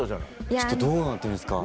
ちょっとどうなってるんですか。